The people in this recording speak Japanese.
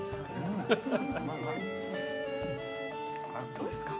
どうですか？